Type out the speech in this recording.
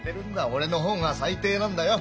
俺の方が最低なんだよ。